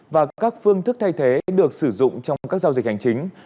và các phương thức thay thế được sử dụng trong các giao dịch hành chính